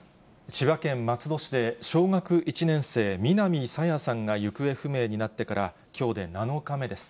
千葉県松戸市で小学１年生、南朝芽さんが行方不明になってから、きょうで７日目です。